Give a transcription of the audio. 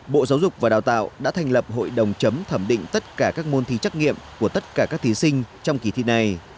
bộ giáo dục và đào tạo đã thành lập hội đồng chấm thẩm định tất cả các môn thi trắc nghiệm của tất cả các thí sinh trong kỳ thi này